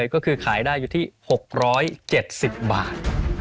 ก็คือขายได้อยู่ที่๖๗๐บาท